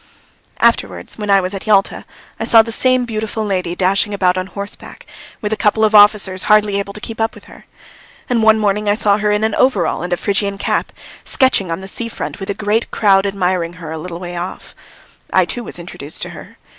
Afterwards when I was at Yalta I saw the same beautiful lady dashing about on horseback with a couple of officers hardly able to keep up with her. And one morning I saw her in an overall and a Phrygian cap, sketching on the sea front with a great crowd admiring her a little way off. I too was introduced to her.